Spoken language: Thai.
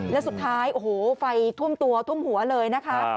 และสุดท้ายไฟท่วมตัวท่วมหัวเลยนะคะ